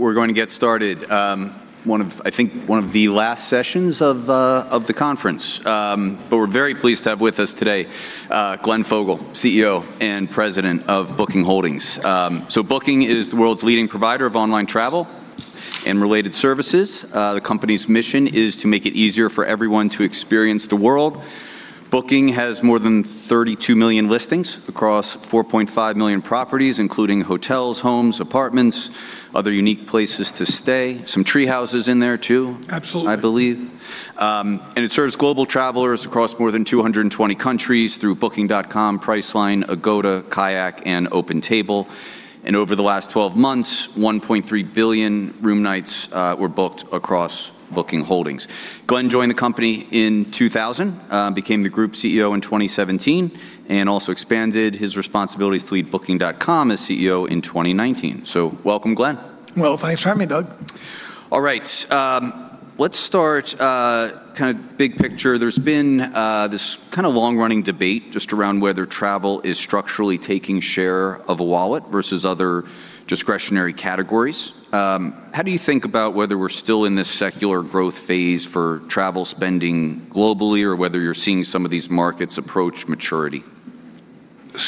We're going to get started. I think one of the last sessions of the conference. We're very pleased to have with us today, Glenn Fogel, CEO and President of Booking Holdings. Booking is the world's leading provider of online travel and related services. The company's mission is to make it easier for everyone to experience the world. Booking has more than 32 million listings across 4.5 million properties, including hotels, homes, apartments, other unique places to stay. Some tree houses in there too. Absolutely. I believe. It serves global travelers across more than 220 countries through Booking.com, Priceline, Agoda, KAYAK, and OpenTable. Over the last 12 months, 1.3 billion room nights were booked across Booking Holdings. Glenn joined the company in 2000, became the group CEO in 2017, and also expanded his responsibilities to lead Booking.com as CEO in 2019. Welcome, Glenn. Well, thanks for having me, Doug. All right. Let's start big picture. There's been this long-running debate just around whether travel is structurally taking share of a wallet versus other discretionary categories. How do you think about whether we're still in this secular growth phase for travel spending globally, or whether you're seeing some of these markets approach maturity?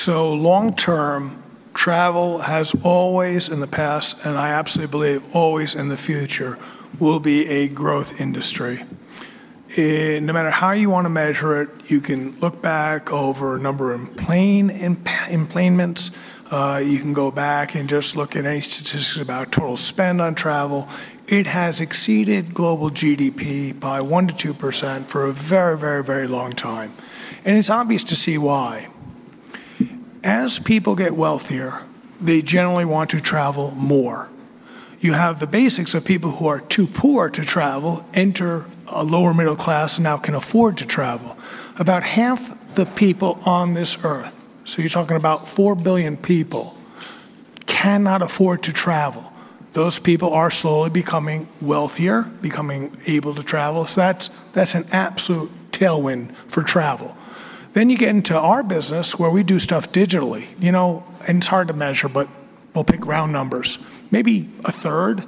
Long term, travel has always in the past, and I absolutely believe always in the future, will be a growth industry. No matter how you want to measure it, you can look back over a number of enplanements, you can go back and just look at any statistics about total spend on travel. It has exceeded global GDP by 1%-2% for a very long time. It's obvious to see why. As people get wealthier, they generally want to travel more. You have the basics of people who are too poor to travel, enter a lower middle class, now can afford to travel. About half the people on this earth, so you're talking about 4 billion people, cannot afford to travel. Those people are slowly becoming wealthier, becoming able to travel. That's an absolute tailwind for travel. You get into our business, where we do stuff digitally. It's hard to measure, but we'll pick round numbers. Maybe a third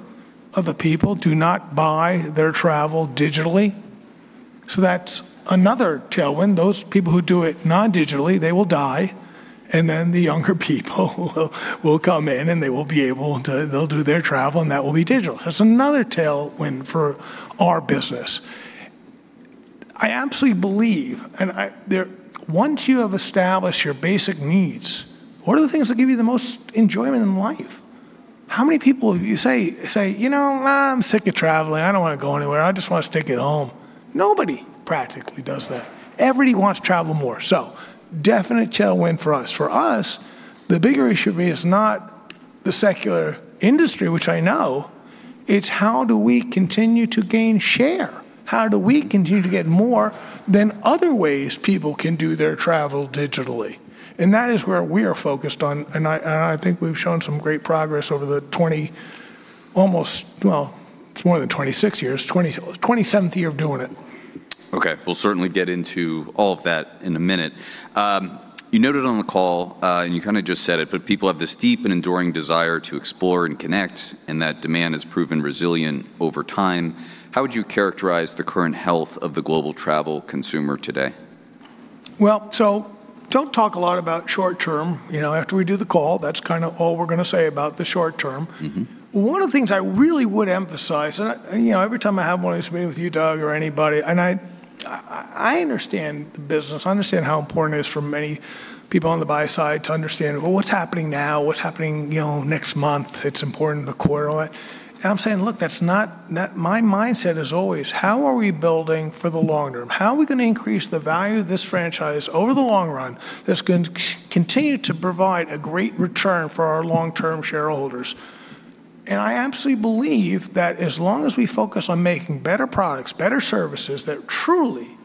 of the people do not buy their travel digitally. That's another tailwind. Those people who do it non-digitally, they will die, and then the younger people will come in, and they'll do their travel, and that will be digital. That's another tailwind for our business. I absolutely believe, once you have established your basic needs, what are the things that give you the most enjoyment in life? How many people you say, "You know, I'm sick of traveling. I don't want to go anywhere. I just want to stay at home." Nobody practically does that. Everybody wants to travel more. Definite tailwind for us. For us, the bigger issue to me is not the secular industry, which I know. It's how do we continue to gain share? How do we continue to get more than other ways people can do their travel digitally? That is where we are focused on, and I think we've shown some great progress over more than 26 years, 27th year of doing it. Okay. We'll certainly get into all of that in a minute. You noted on the call, and you kind of just said it, but people have this deep and enduring desire to explore and connect, and that demand has proven resilient over time. How would you characterize the current health of the global travel consumer today? Well, don't talk a lot about short term. After we do the call, that's kind of all we're going to say about the short term. One of the things I really would emphasize, every time I have one of these meetings with you, Doug, or anybody, and I understand the business, I understand how important it is for many people on the buy side to understand, well, what's happening now? What's happening next month? It's important, the quarter. I'm saying, look, my mindset is always, how are we building for the long term? How are we going to increase the value of this franchise over the long run that's going to continue to provide a great return for our long-term shareholders? I absolutely believe that as long as we focus on making better products, better services that truly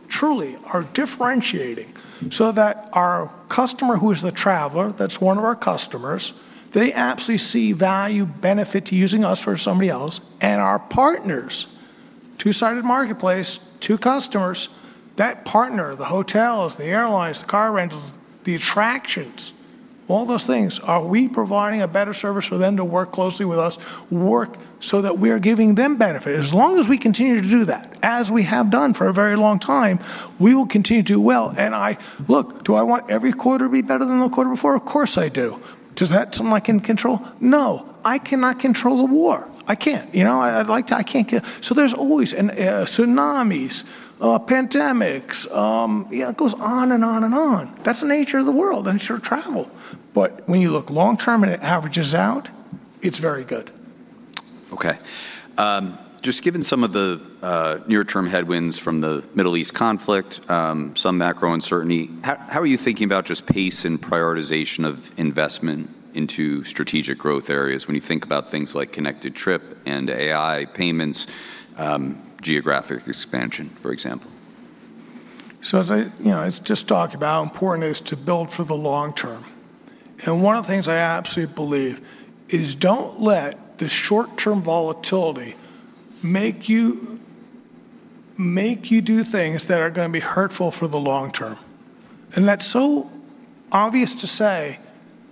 are differentiating, so that our customer who is the traveler, that's one of our customers, they absolutely see value benefit to using us or somebody else, and our partners, two-sided marketplace, two customers, that partner, the hotels, the airlines, the car rentals, the attractions, all those things, are we providing a better service for them to work closely with us, work so that we are giving them benefit? As long as we continue to do that, as we have done for a very long time, we will continue to do well. Look, do I want every quarter to be better than the quarter before? Of course I do. Is that something I can control? No. I cannot control a war. I can't. I'd like to. There's always tsunamis, pandemics, it goes on and on. That's the nature of the world and the nature of travel. When you look long term and it averages out, it's very good. Okay. Just given some of the near-term headwinds from the Middle East conflict, some macro uncertainty, how are you thinking about just pace and prioritization of investment into strategic growth areas when you think about things like Connected Trip and AI payments, geographic expansion, for example? I was just talking about how important it is to build for the long term. One of the things I absolutely believe is don't let the short-term volatility make you do things that are going to be hurtful for the long term. That's so obvious to say,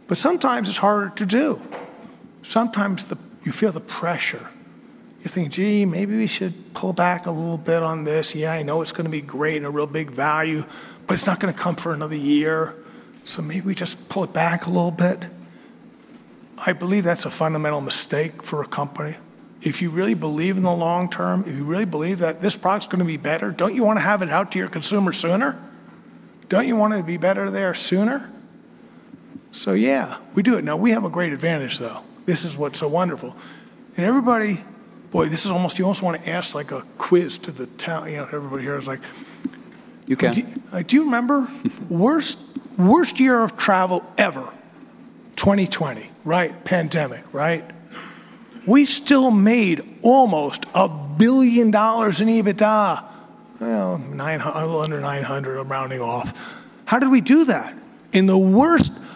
but sometimes it's harder to do. Sometimes you feel the pressure. You think, "Gee, maybe we should pull back a little bit on this. Yeah, I know it's going to be great and a real big value, but it's not going to come for another year, so maybe we just pull it back a little bit." I believe that's a fundamental mistake for a company. If you really believe in the long term, if you really believe that this product's going to be better, don't you want to have it out to your consumer sooner? Don't you want it to be better there sooner? Yeah, we do it. Now, we have a great advantage, though. This is what's so wonderful. Boy, you almost want to ask a quiz to the town. You can. Do you remember worst year of travel ever? 2020, right? Pandemic, right? We still made almost $1 billion in EBITDA. Well, a little under $900 million. I'm rounding off. How did we do that?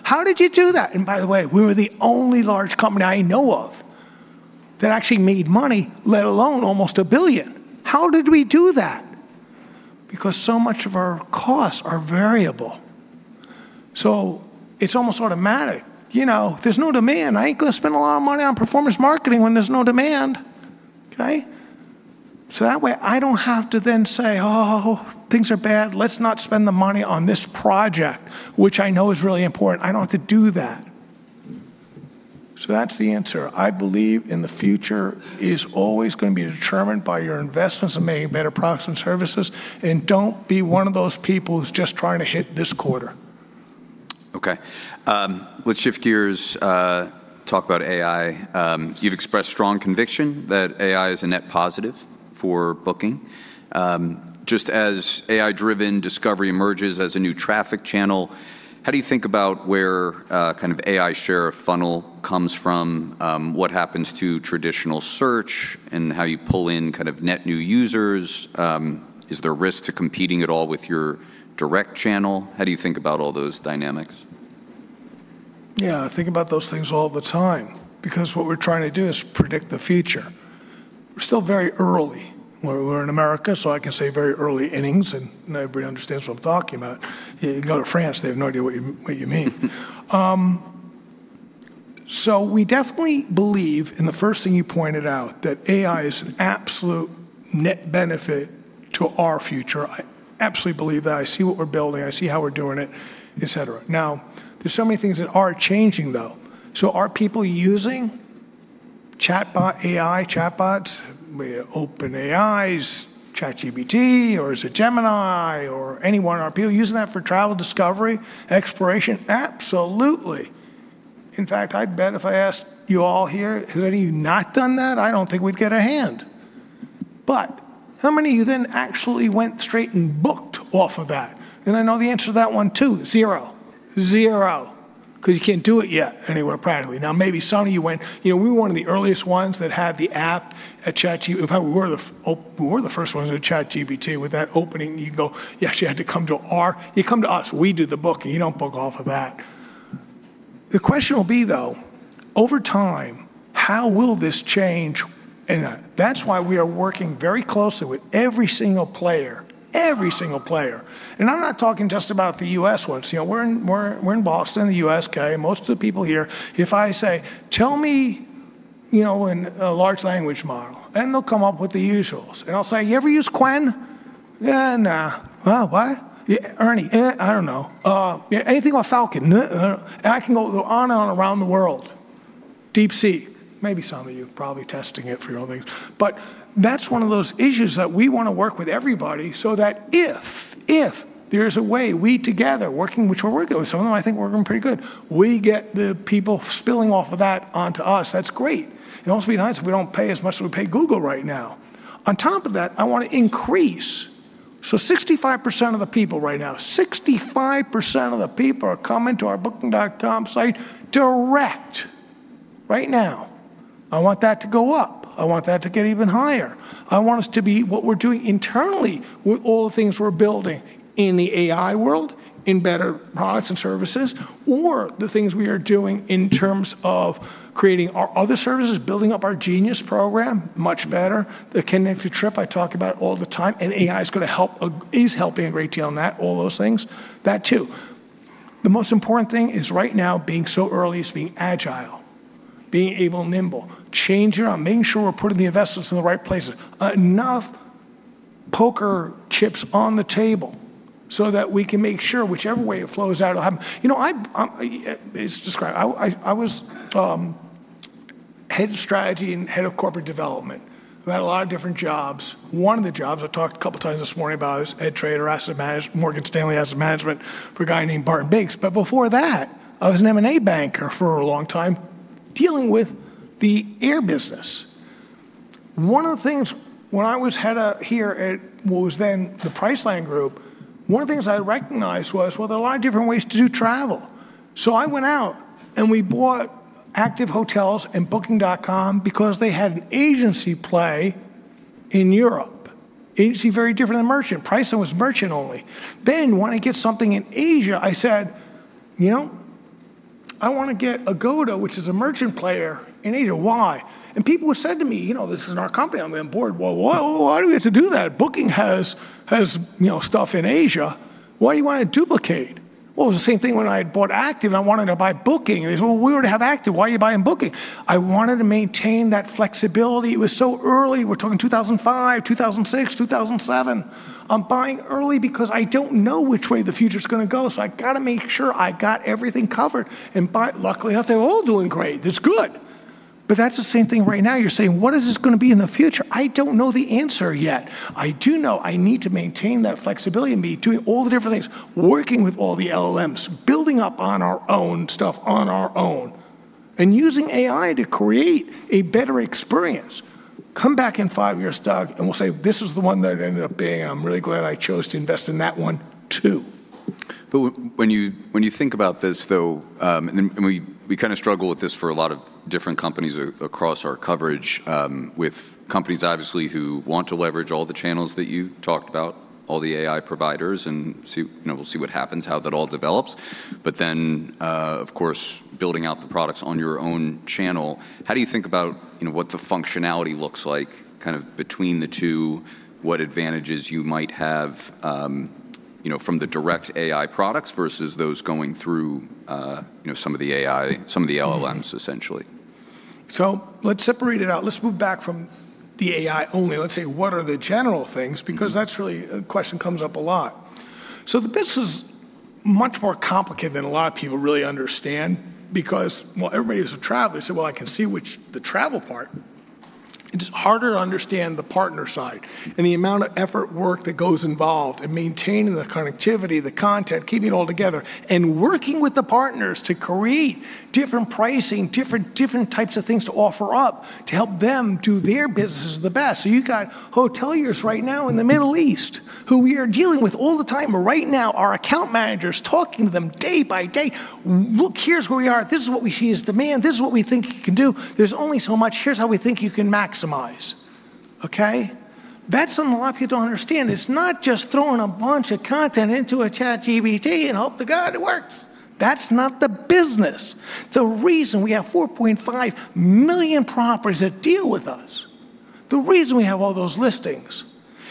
How did you do that? By the way, we were the only large company I know of that actually made money, let alone almost $1 billion. How did we do that? So much of our costs are variable. It's almost automatic. If there's no demand, I ain't going to spend a lot of money on performance marketing when there's no demand. Okay? That way, I don't have to then say, "Oh, things are bad. Let's not spend the money on this project," which I know is really important. I don't have to do that. That's the answer. I believe in the future is always going to be determined by your investments in making better products and services. Don't be one of those people who's just trying to hit this quarter. Okay. Let's shift gears, talk about AI. You've expressed strong conviction that AI is a net positive for booking. Just as AI-driven discovery emerges as a new traffic channel, how do you think about where AI share of funnel comes from? What happens to traditional search and how you pull in net new users? Is there risk to competing at all with your direct channel? How do you think about all those dynamics? I think about those things all the time because what we're trying to do is predict the future. We're still very early. We're in America, so I can say very early innings, and everybody understands what I'm talking about. You go to France, they have no idea what you mean. We definitely believe in the first thing you pointed out, that AI is an absolute net benefit to our future. I absolutely believe that. I see what we're building. I see how we're doing it, et cetera. There's so many things that are changing, though. Are people using chatbot AI, chatbots, OpenAI's ChatGPT, or is it Gemini, or any one? Are people using that for travel discovery, exploration? Absolutely. In fact, I bet if I asked you all here, have any of you not done that, I don't think we'd get a hand. How many of you then actually went straight and booked off of that? I know the answer to that one, too. Zero. Because you can't do it yet anywhere privately. Maybe some of you We were one of the earliest ones that had the app at. In fact, we were the first ones at ChatGPT with that opening. You'd go, you actually had to come to us. We do the booking. You don't book off of that. The question will be, though, over time, how will this change? That's why we are working very closely with every single player. I'm not talking just about the U.S. ones. We're in Boston, the U.S., U.K. Most of the people here, if I say, "Tell me a large language model," and they'll come up with the usuals. I'll say, "You ever use Qwen?" "Eh, nah." "What?" "ERNIE." "Eh, I don't know." "Anything on Falcon?" "No." I can go on and on around the world. DeepSeek. Maybe some of you probably testing it for your own things. That's one of those issues that we want to work with everybody so that if there is a way, we together, working, which we're working with some of them, I think we're doing pretty good. We get the people spilling off of that onto us. That's great. It'll also be nice if we don't pay as much as we pay Google right now. On top of that, I want to increase. 65% of the people right now, 65% of the people are coming to our Booking.com site direct right now. I want that to go up. I want that to get even higher. I want us to be what we're doing internally with all the things we're building in the AI world, in better products and services, or the things we are doing in terms of creating our other services, building up our Genius program much better. The Connected Trip, I talk about all the time, and AI is going to help, is helping a great deal on that, all those things. That too. The most important thing is right now being so early is being agile, being able and nimble. Change it around, making sure we're putting the investments in the right places. Enough poker chips on the table so that we can make sure whichever way it flows out, it'll happen. It's described. I was head of strategy and head of corporate development, who had a lot of different jobs. One of the jobs I talked a couple times this morning about is head trader, Morgan Stanley Asset management for a guy named Barton Biggs. Before that, I was an M&A banker for a long time, dealing with the air business. One of the things when I was head of here at what was then The Priceline Group, one of the things I recognized was, well, there are a lot of different ways to do travel. I went out, and we bought Active Hotels and Booking.com because they had an agency play in Europe. Agency very different than merchant. Priceline was merchant only. When I get something in Asia, I said, "You know, I want to get Agoda, which is a merchant player in Asia." Why? People have said to me, "This isn't our company on the board. Well, why do we have to do that? Booking has stuff in Asia. Why do you want to duplicate? Well, it was the same thing when I had bought Active and I wanted to buy Booking, and they said, "Well, we already have Active. Why are you buying Booking?" I wanted to maintain that flexibility. It was so early. We're talking 2005, 2006, 2007. I'm buying early because I don't know which way the future's going to go, so I got to make sure I got everything covered. Luckily enough, they're all doing great. That's good. That's the same thing right now. You're saying, what is this going to be in the future? I don't know the answer yet. I do know I need to maintain that flexibility and be doing all the different things, working with all the LLMs, building up on our own stuff on our own, and using AI to create a better experience. Come back in five years, Doug, and we'll say, "This is the one that it ended up being. I'm really glad I chose to invest in that one, too. When you think about this, though, and we kind of struggle with this for a lot of different companies across our coverage, with companies obviously who want to leverage all the channels that you talked about, all the AI providers, and we'll see what happens, how that all develops. Then, of course, building out the products on your own channel. How do you think about what the functionality looks like between the two, what advantages you might have from the direct AI products versus those going through some of the LLMs, essentially? Let's separate it out. Let's move back from the AI only. Let's say, what are the general things? Because that's really a question comes up a lot. This is much more complicated than a lot of people really understand because, well, everybody is a traveler. They say, "Well, I can see the travel part." It's harder to understand the partner side and the amount of effort work that goes involved in maintaining the connectivity, the content, keeping it all together, and working with the partners to create different pricing, different types of things to offer up to help them do their businesses the best. You got hoteliers right now in the Middle East who we are dealing with all the time, right now, our account managers talking to them day by day. "Look, here's where we are. This is what we see as demand. This is what we think you can do. There's only so much. Here's how we think you can maximize. Okay. That's something a lot of people don't understand. It's not just throwing a bunch of content into a ChatGPT and hope to God it works. That's not the business. The reason we have 4.5 million properties that deal with us, the reason we have all those listings,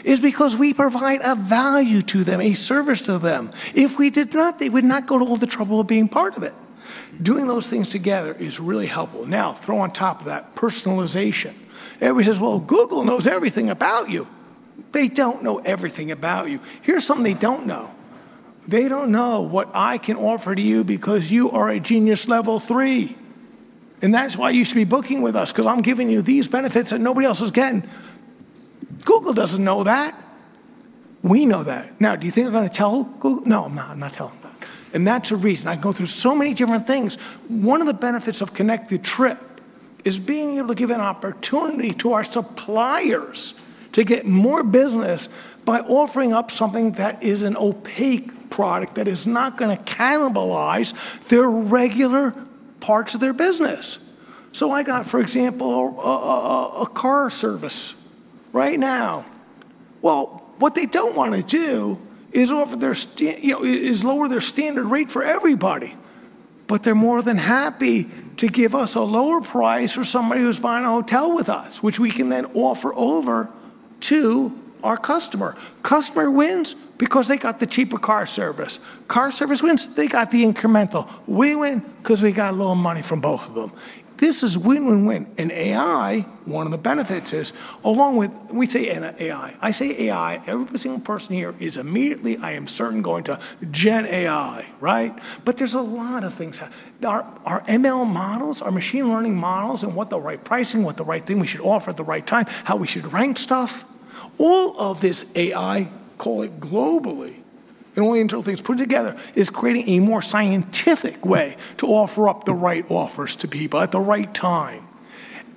is because we provide a value to them, a service to them. If we did not, they would not go to all the trouble of being part of it. Doing those things together is really helpful. Now, throw on top of that personalization. Everybody says, "Well, Google knows everything about you." They don't know everything about you. Here's something they don't know. They don't know what I can offer to you because you are a Genius Level 3, and that's why you should be booking with us, because I'm giving you these benefits that nobody else is getting. Google doesn't know that. We know that. Now, do you think I'm going to tell Google? No, I'm not telling them. That's a reason. I can go through so many different things. One of the benefits of Connected Trip is being able to give an opportunity to our suppliers to get more business by offering up something that is an opaque product that is not going to cannibalize their regular parts of their business. I got, for example, a car service right now. Well, what they don't want to do is lower their standard rate for everybody, but they're more than happy to give us a lower price for somebody who's buying a hotel with us, which we can then offer over to our customer. Customer wins because they got the cheaper car service. Car service wins. They got the incremental. We win because we got a little money from both of them. This is win-win-win. AI, one of the benefits is, along with, we say AI. I say AI, every single person here is immediately, I am certain, going to GenAI, right? There's a lot of things. Our ML models, our machine learning models on what the right pricing, what the right thing we should offer at the right time, how we should rank stuff. All of this AI, call it globally, and only until things put together, is creating a more scientific way to offer up the right offers to people at the right time.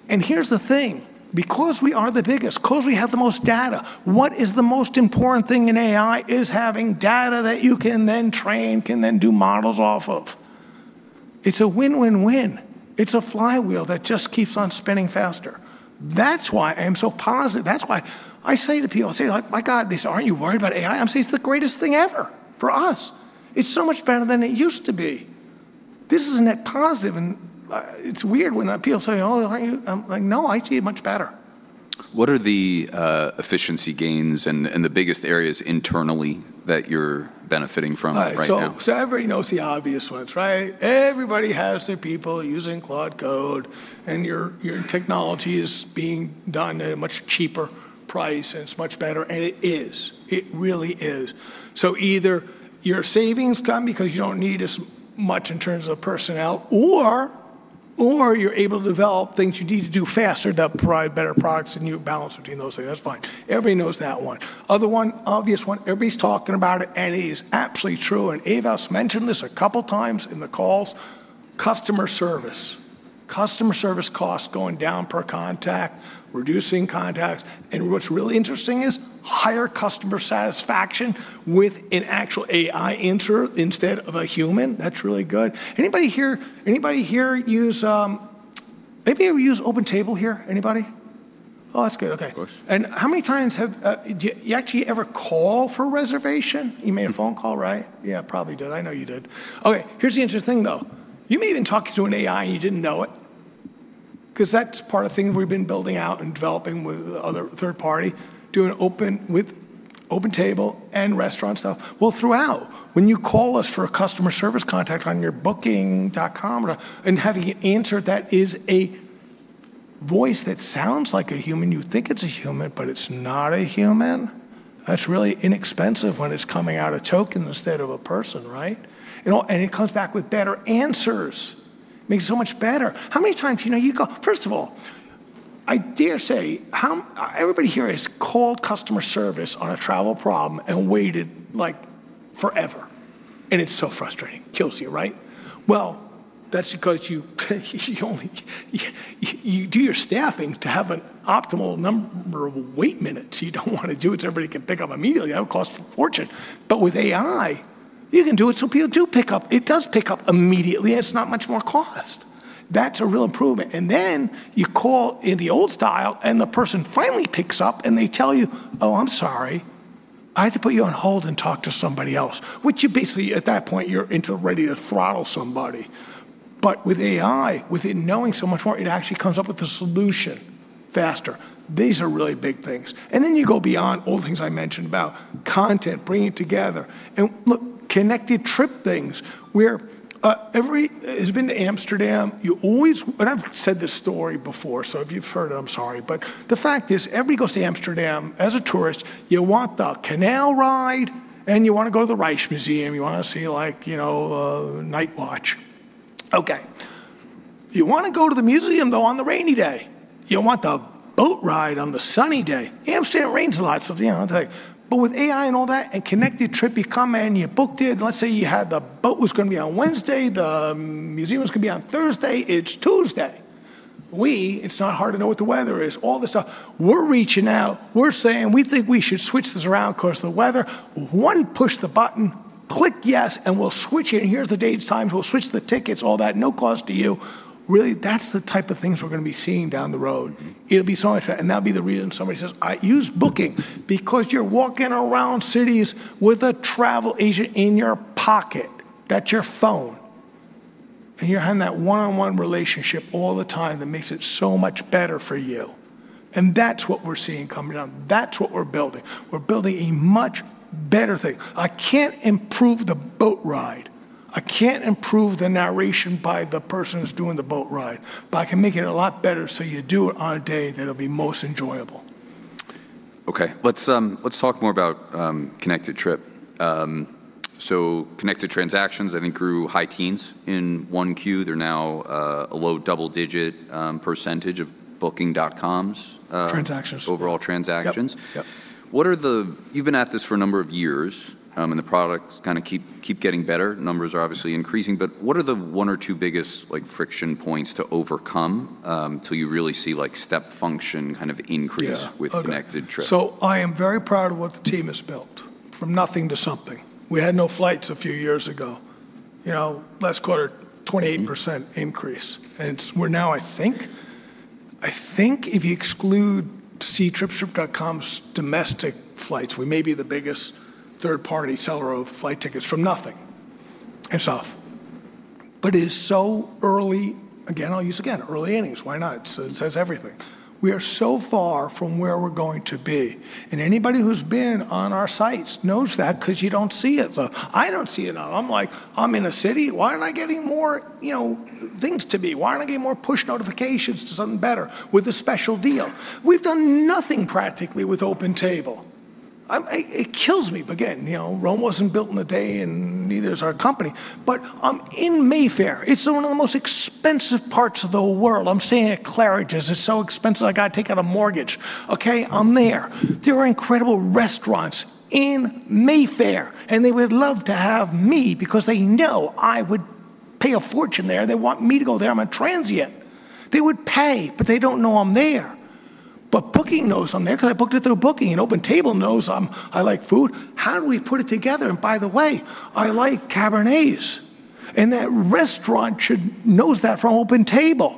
Here's the thing. Because we are the biggest, because we have the most data, what is the most important thing in AI is having data that you can then train, can then do models off of. It's a win-win-win. It's a flywheel that just keeps on spinning faster. That's why I am so positive. That's why I say to people, they say, "My God, aren't you worried about AI?" I'm saying it's the greatest thing ever for us. It's so much better than it used to be. This is a net positive, and it's weird when people say, "Oh, aren't you?" I'm like, "No, I see it much better. What are the efficiency gains and the biggest areas internally that you're benefiting from right now? Everybody knows the obvious ones, right? Everybody has their people using Claude Code, and your technology is being done at a much cheaper price, and it's much better, and it is. It really is. Either your savings come because you don't need as much in terms of personnel, or you're able to develop things you need to do faster to provide better products, and you balance between those things. That's fine. Everybody knows that one. Other one, obvious one, everybody's talking about it, and it is absolutely true, and Ewout Steenbergen mentioned this a couple times in the calls. Customer service. Customer service costs going down per contact, reducing contacts, and what's really interesting is higher customer satisfaction with an actual AI interaction instead of a human. That's really good. Anybody here use OpenTable here? Anybody? Oh, that's good. Okay. Of course. How many times do you actually ever call for a reservation? You made a phone call, right? Yeah. Probably did. I know you did. Okay, here's the interesting thing, though. You may even talk to an AI, and you didn't know it, because that's part of things we've been building out and developing with other third party, doing open with OpenTable and restaurant stuff. Well, throughout, when you call us for a customer service contact on your booking.com, and having it answered, that is a voice that sounds like a human. You think it's a human, but it's not a human. That's really inexpensive when it's coming out of token instead of a person, right? It comes back with better answers, makes it so much better. How many times First of all, I dare say everybody here has called customer service on a travel problem and waited forever, and it's so frustrating. Kills you, right? That's because you do your staffing to have an optimal number of wait minutes. You don't want to do it so everybody can pick up immediately. That would cost a fortune. With AI, you can do it so people do pick up. It does pick up immediately, and it's not much more cost. That's a real improvement. Then you call in the old style, and the person finally picks up, and they tell you, "Oh, I'm sorry. I have to put you on hold and talk to somebody else." Which you basically, at that point, you're ready to throttle somebody. With AI, with it knowing so much more, it actually comes up with a solution faster. These are really big things. Then you go beyond all the things I mentioned about content, bringing it together, and look, Connected Trip things. I've said this story before, so if you've heard it, I'm sorry. The fact is, everybody goes to Amsterdam as a tourist. You want the canal ride, and you want to go to the Rijksmuseum. You want to see The Night Watch. Okay. You want to go to the museum, though, on the rainy day. You want the boat ride on the sunny day. Amsterdam rains a lot, so it's like With AI and all that, and Connected Trip, you come in, you booked it. Let's say you had the boat was going to be on Wednesday, the museum was going to be on Thursday. It's Tuesday. It's not hard to know what the weather is, all this stuff. We're reaching out. We're saying, "We think we should switch this around because the weather." one push the button, click yes, and we'll switch it, and here are the dates, times. We'll switch the tickets, all that, no cost to you. Really, that's the type of things we're going to be seeing down the road. It'll be so much. That'll be the reason somebody says, "I use Booking," because you're walking around cities with a travel agent in your pocket. That's your phone. You're having that one-on-one relationship all the time that makes it so much better for you. That's what we're seeing coming down. That's what we're building. We're building a much better thing. I can't improve the boat ride. I can't improve the narration by the person who's doing the boat ride. I can make it a lot better so you do it on a day that'll be most enjoyable. Okay. Let's talk more about Connected Trip. Connected Transactions, I think, grew high teens in 1Q. They're now a low double-digit percentage of Booking.com's- Transactions. Overall transactions. Yep. You've been at this for a number of years, and the products kind of keep getting better. Numbers are obviously increasing, but what are the one or two biggest friction points to overcome till you really see step function kind of increase? Yeah. Okay. With Connected Trip? I am very proud of what the team has built, from nothing to something. We had no flights a few years ago. Last quarter, 28% increase, and we're now, I think, if you exclude Ctrip.com's domestic flights, we may be the biggest third-party seller of flight tickets from nothing. It's off. It is so early, again, I'll use again, early innings. Why not? It says everything. We are so far from where we're going to be, and anybody who's been on our sites knows that because you don't see it. I don't see it. I'm like, "I'm in a city. Why aren't I getting more things to be? Why aren't I getting more push notifications to something better with a special deal?" We've done nothing practically with OpenTable. It kills me, but again, Rome wasn't built in a day and neither is our company. I'm in Mayfair. It's one of the most expensive parts of the whole world. I'm staying at Claridge's. It's so expensive, I got to take out a mortgage. Okay? I'm there. There are incredible restaurants in Mayfair, and they would love to have me because they know I would pay a fortune there. They want me to go there. I'm a transient. They would pay, but they don't know I'm there. Booking knows I'm there because I booked it through Booking, and OpenTable knows I like food. How do we put it together? By the way, I like Cabernets. That restaurant knows that from OpenTable.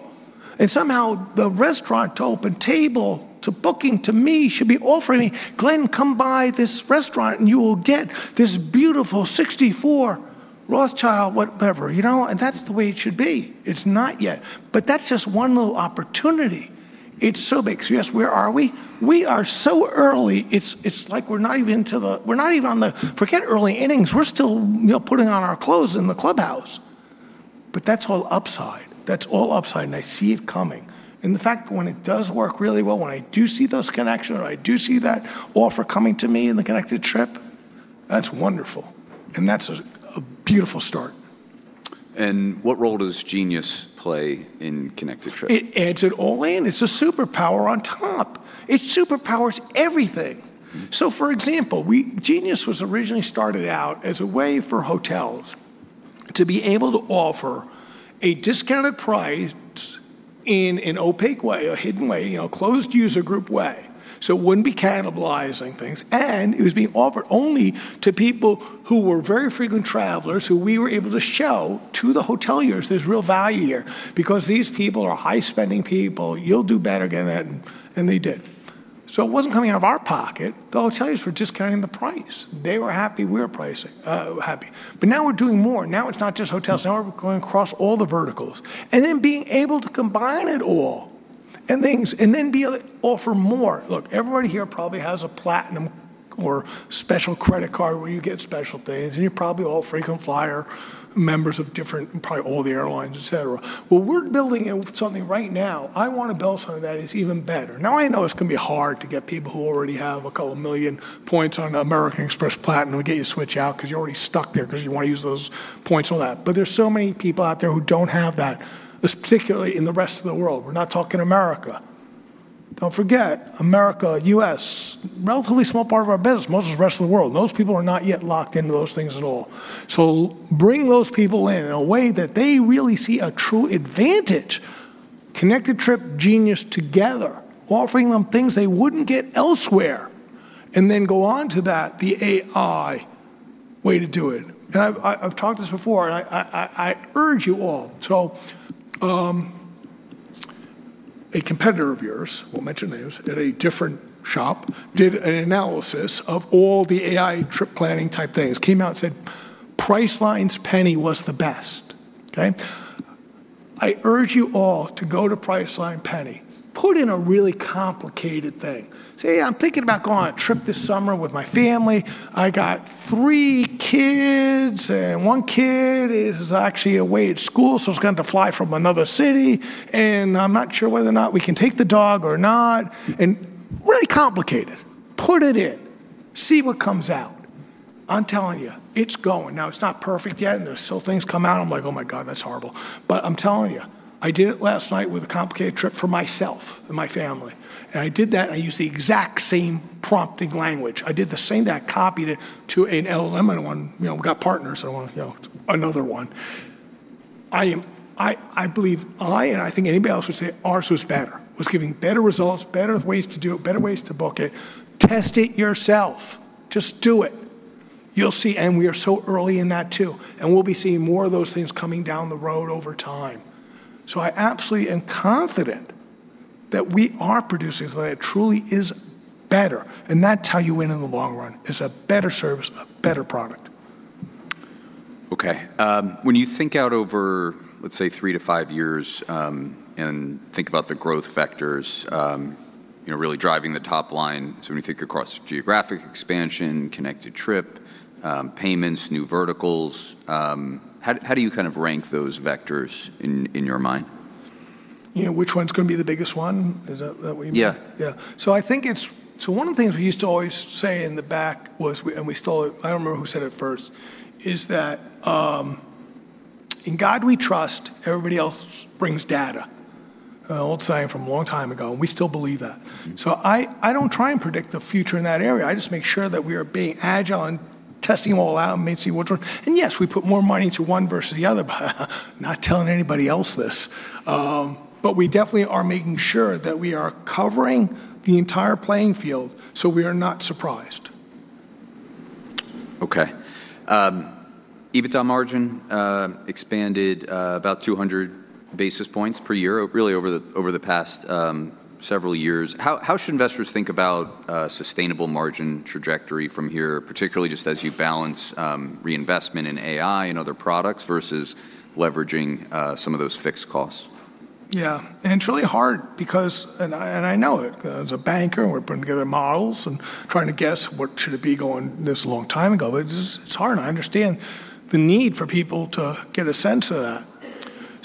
Somehow the restaurant to OpenTable to Booking to me should be offering me, "Glenn, come by this restaurant, and you will get this beautiful '64 Rothschild," whatever. That's the way it should be. It's not yet. That's just one little opportunity. It's so big. Yes, where are we? We are so early, it's like we're not even Forget early innings. We're still putting on our clothes in the clubhouse. That's all upside. That's all upside, and I see it coming. The fact when it does work really well, when I do see those connections, or I do see that offer coming to me in the Connected Trip, that's wonderful, and that's a beautiful start. What role does Genius play in Connected Trip? It adds it all in. It's a superpower on top. It superpowers everything. For example, Genius was originally started out as a way for hotels to be able to offer a discounted price in an opaque way, a hidden way, a closed user group way, so it wouldn't be cannibalizing things, and it was being offered only to people who were very frequent travelers who we were able to show to the hoteliers there's real value here because these people are high-spending people. You'll do better again than they did. It wasn't coming out of our pocket. The hotels were just cutting the price. They were happy, we were happy. Now we're doing more. Now it's not just hotels. Now we're going across all the verticals. Being able to combine it all, and then be able to offer more. Look, everybody here probably has a Platinum or special credit card where you get special things, and you're probably all frequent flyer members of different, probably all the airlines, et cetera. Well, we're building something right now. I want to build something that is even better. I know it's going to be hard to get people who already have a couple million points on an American Express Platinum, to get you to switch out because you're already stuck there because you want to use those points on that. There's so many people out there who don't have that, particularly in the rest of the world. We're not talking America. Don't forget, America, U.S., relatively small part of our business, most of it is the rest of the world. Those people are not yet locked into those things at all. Bring those people in in a way that they really see a true advantage. Connected Trip Genius together, offering them things they wouldn't get elsewhere, and then go on to that, the AI way to do it. I've talked this before, and I urge you all. A competitor of yours, won't mention names, at a different shop, did an analysis of all the AI trip planning type things, came out and said Priceline's Penny was the best. Okay. I urge you all to go to Priceline Penny, put in a really complicated thing. Say, "I'm thinking about going on a trip this summer with my family. I got three kids, and one kid is actually away at school, so he's going to fly from another city, and I'm not sure whether or not we can take the dog or not," and really complicate it. Put it in. See what comes out. I'm telling you, it's going. It's not perfect yet, there's still things come out, I'm like, "Oh, my God, that's horrible." I'm telling you, I did it last night with a complicated trip for myself and my family, I did that, I used the exact same prompting language. I did the same, I copied it to an LLM one. We've got partners. Another one. I think anybody else would say ours was better, giving better results, better ways to do it, better ways to book it. Test it yourself. Just do it. You'll see, we are so early in that, too, we'll be seeing more of those things coming down the road over time. I absolutely am confident that we are producing something that truly is better, and that's how you win in the long run, is a better service, a better product. Okay. When you think out over, let's say, three to five years, and think about the growth vectors really driving the top line, so when you think across geographic expansion, Connected Trip, payments, new verticals, how do you rank those vectors in your mind? Which one's going to be the biggest one? Is that what you mean? Yeah. Yeah. One of the things we used to always say in the back was, and we stole it, I don't remember who said it first, is that, in God we trust, everybody else brings data. An old saying from a long time ago, and we still believe that. I don't try and predict the future in that area. I just make sure that we are being agile and testing them all out and seeing which one. Yes, we put more money into one versus the other, but not telling anybody else this. We definitely are making sure that we are covering the entire playing field, so we are not surprised. Okay. EBITDA margin expanded about 200 basis points per year, really over the past several years. How should investors think about sustainable margin trajectory from here, particularly just as you balance reinvestment in AI and other products versus leveraging some of those fixed costs? Yeah. It's really hard because, and I know it, as a banker, we're putting together models and trying to guess what should it be going this long time ago. It's hard, and I understand the need for people to get a sense of that.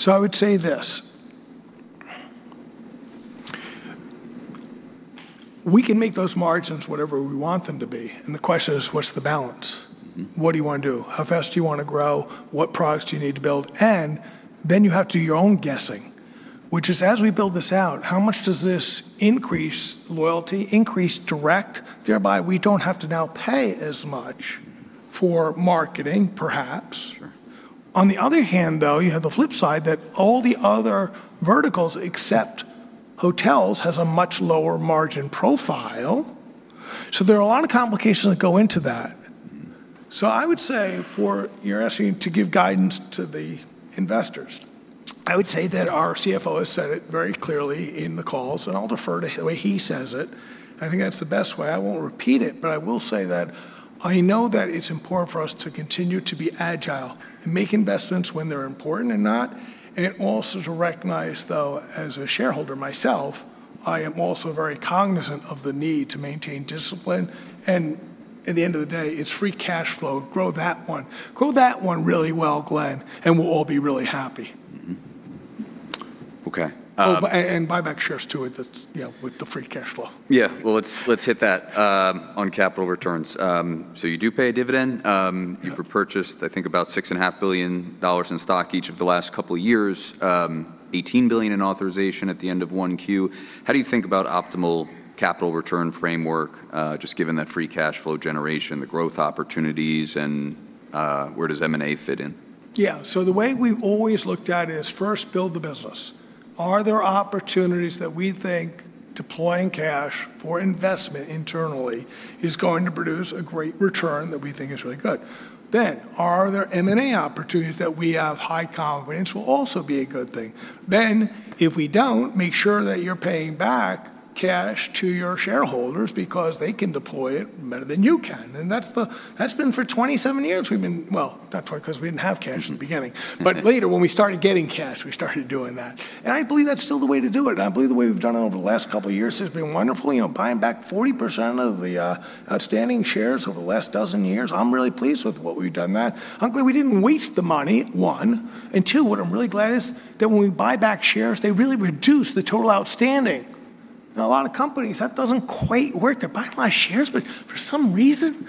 I would say this. We can make those margins whatever we want them to be, and the question is, what's the balance? What do you want to do? How fast do you want to grow? What products do you need to build? Then you have to do your own guessing, which is as we build this out, how much does this increase loyalty, increase direct, thereby we don't have to now pay as much for marketing, perhaps. Sure. On the other hand, though, you have the flip side that all the other verticals except hotels has a much lower margin profile. There are a lot of complications that go into that. I would say you're asking to give guidance to the investors. I would say that our CFO has said it very clearly in the calls, and I will defer to the way he says it. I think that's the best way. I won't repeat it. I will say that I know that it's important for us to continue to be agile and make investments when they're important and also to recognize, though, as a shareholder myself, I am also very cognizant of the need to maintain discipline. At the end of the day, it's free cash flow. Grow that one. Grow that one really well, Glenn. We'll all be really happy. Mm-hmm. Okay. Buy back shares, too, with the free cash flow. Yeah. Well, let's hit that on capital returns. You do pay a dividend. Yeah. You've repurchased I think about $6.5 billion in stock each of the last couple of years. $18 billion in authorization at the end of 1Q. How do you think about optimal capital return framework, just given that free cash flow generation, the growth opportunities, and where does M&A fit in? Yeah. The way we've always looked at it is first build the business. Are there opportunities that we think deploying cash for investment internally is going to produce a great return that we think is really good? Are there M&A opportunities that we have high confidence will also be a good thing? If we don't, make sure that you're paying back cash to your shareholders because they can deploy it better than you can. That's been for 27 years. Well, not 27 because we didn't have cash in the beginning, but later when we started getting cash, we started doing that. I believe that's still the way to do it. I believe the way we've done it over the last couple of years has been wonderful. Buying back 40% of the outstanding shares over the last dozen years. I'm really pleased with what we've done there. I'm glad we didn't waste the money, one. Two, what I'm really glad is that when we buy back shares, they really reduce the total outstanding. In a lot of companies, that doesn't quite work. They're buying a lot of shares, but for some reason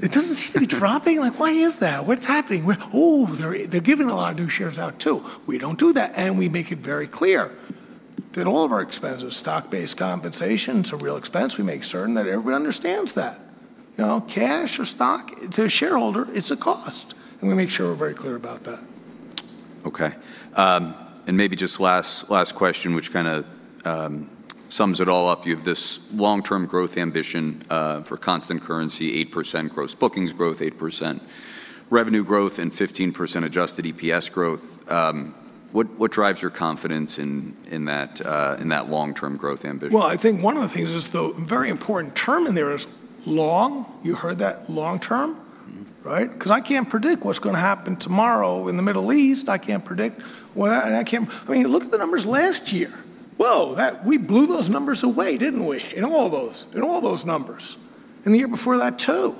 it doesn't seem to be dropping. Why is that? What's happening? Oh, they're giving a lot of new shares out, too. We don't do that, and we make it very clear that all of our expenses, stock-based compensation, it's a real expense. We make certain that everybody understands that. Cash or stock, to a shareholder, it's a cost. We make sure we're very clear about that. Okay. Maybe just last question, which kind of sums it all up. You have this long-term growth ambition, for constant currency, 8% gross bookings growth, 8% revenue growth, and 15% adjusted EPS growth. What drives your confidence in that long-term growth ambition? Well, I think one of the things is the very important term in there is long. You heard that? Long-term. Right? Because I can't predict what's going to happen tomorrow in the Middle East. Look at the numbers last year. Whoa, we blew those numbers away, didn't we? In all those numbers. The year before that, too.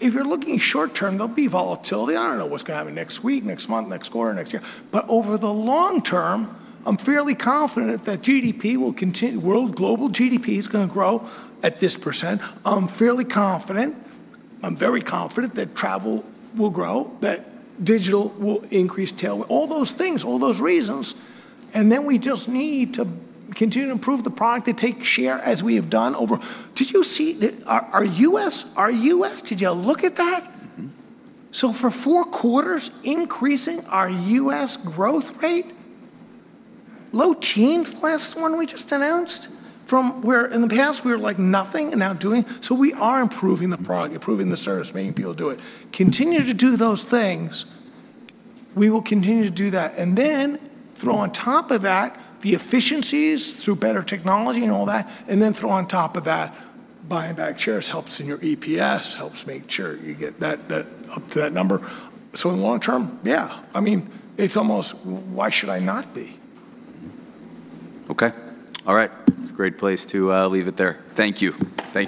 If you're looking short term, there'll be volatility. I don't know what's going to happen next week, next month, next quarter, next year. Over the long term, I'm fairly confident that global GDP is going to grow at this percent. I'm fairly confident, I'm very confident that travel will grow, that digital will increase, all those things, all those reasons. We just need to continue to improve the product to take share as we have done. Did you see our U.S.? Did you look at that? For four quarters, increasing our U.S. growth rate, low teens, last one we just announced. From where in the past we were nothing and now doing. We are improving the product, improving the service, making people do it. Continue to do those things. We will continue to do that. Throw on top of that the efficiencies through better technology and all that, and then throw on top of that buying back shares helps in your EPS, helps make sure you get up to that number. In the long term, yeah. It's almost, why should I not be? Okay. All right. Great place to leave it there. Thank you.